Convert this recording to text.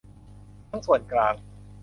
ทั้งส่วนกลาง